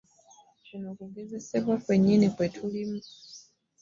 Kuno kugezesebwa kwennyini kwe tulimu.